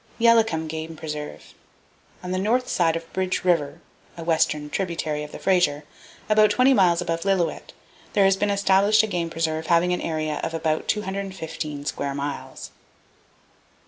Yalakom Game Preserve.—On the north side of Bridge River (a western tributary of the Fraser), about twenty miles above Lilloet, there has been established a game preserve having an area of about 215 square miles.